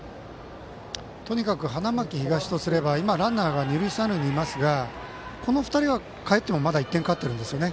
とにかく花巻東とすれば今、ランナーが二塁と三塁にいますがこの２人がかえってもまだ１点勝ってるんですよね。